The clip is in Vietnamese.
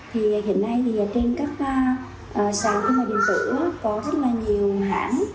thì hiện nay thì trên các sàn thương mại điện tử có rất là nhiều hãng